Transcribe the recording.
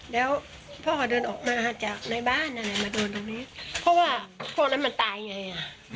แล้วพ่อเดินออกมาจากในบ้านอะไรมาโดนตรงนี้เพราะว่าพวกนั้นมันตายไงอ่ะ